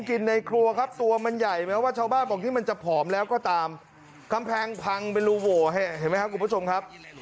เป็นรูโว่ให้เห็นไหมครับคุณผู้ชมครับ